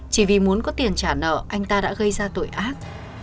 chỉ vì muốn có tiền trả nợ anh ta đã gây ra tội ác